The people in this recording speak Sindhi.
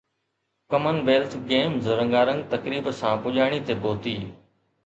ڪمن ويلٿ گيمز رنگا رنگ تقريب سان پڄاڻي تي پهتي